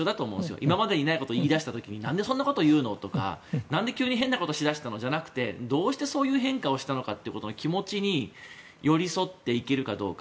今までにないこと言いだした時に何でそういうこと言うのとか何で急に変なことをやりだしたのではなくてどうしてその変化をしたのかという気持ちに寄り添っていけるかどうか。